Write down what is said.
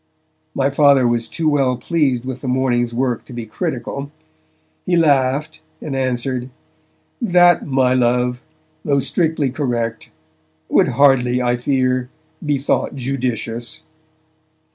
My Father was too well pleased with the morning's work to be critical. He laughed, and answered: 'That, my Love, though strictly correct, would hardly, I fear, be thought judicious!'